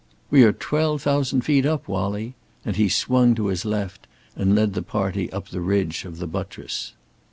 "We are twelve thousand feet up, Wallie," and he swung to his left, and led the party up the ridge of the buttress.